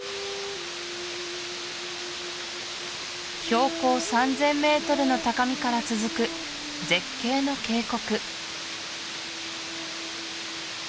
標高３０００ｍの高みから続く絶景の渓谷